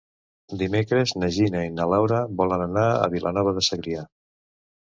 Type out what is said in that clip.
Dimecres na Gina i na Laura volen anar a Vilanova de Segrià.